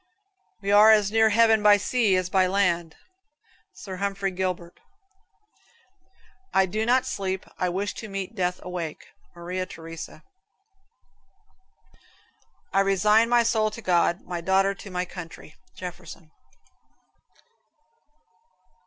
"We are as near heaven by sea as by land," Sir Humphrey Gilbert. "I do not sleep. I wish to meet death awake." Maria Theresa. "I resign my soul to God; my daughter to my country." Jefferson.